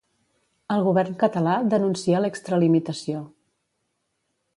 El govern català denuncia l'extralimitació.